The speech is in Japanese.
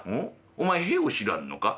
お前屁を知らんのか？